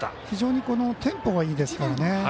非常にテンポがいいですからね。